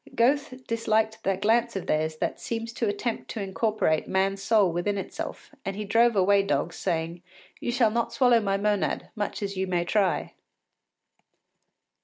Goethe disliked that glance of theirs that seems to attempt to incorporate man’s soul within itself, and he drove away dogs, saying, “You shall not swallow my monad, much as you may try.